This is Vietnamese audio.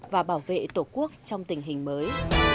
và bảo vệ tổ quốc trong tình hình mới